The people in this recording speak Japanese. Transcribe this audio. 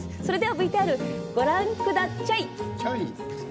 ＶＴＲご覧くだチャイ。